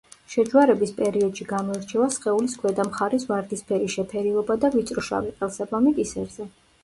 შეჯვარების პერიოდში გამოირჩევა სხეულის ქვედა მხარის ვარდისფერი შეფერილობა და ვიწრო შავი „ყელსაბამი“ კისერზე.